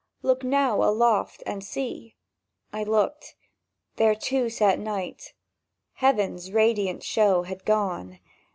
— Look now aloft and see!" I looked. There, too, sat night: Heaven's radiant show Had gone.